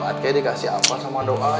atk dikasih apa sama doa